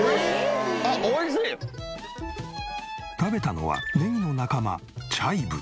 食べたのはネギの仲間チャイブ。